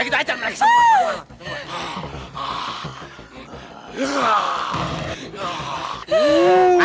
kita harus ajak mereka semua